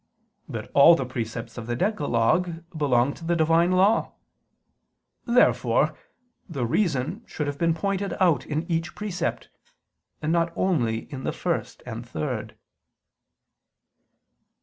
But all the precepts of the decalogue belong to the Divine law. Therefore the reason should have been pointed out in each precept, and not only in the first and third.